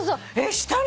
下に？